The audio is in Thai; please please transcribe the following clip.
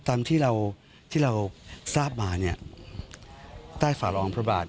ตามที่เราทราบมาใต้ฝาลองพระบาท